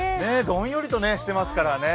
どんよりとしてますからね。